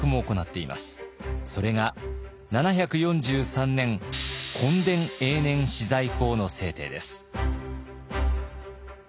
それが７４３年墾田永年私財法の制定です。